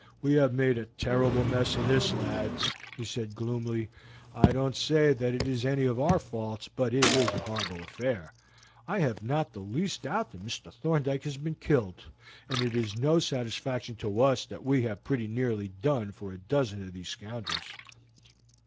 "We have made a terrible mess of this, lads," he said gloomily. "I don't say that it is any of our faults, but it is a horrible affair. I have not the least doubt that Mr. Thorndyke has been killed, and it is no satisfaction to us that we have pretty nearly done for a dozen of those scoundrels."